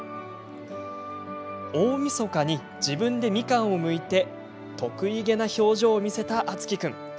大みそかに自分でみかんをむいて得意気な表情を見せた篤生君。